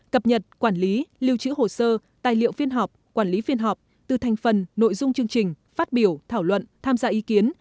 cập nhật quản lý lưu trữ hồ sơ tài liệu phiên họp quản lý phiên họp từ thành phần nội dung chương trình phát biểu thảo luận tham gia ý kiến